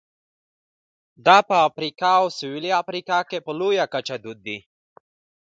دا په افریقا او سوېلي امریکا کې په لویه کچه دود دي.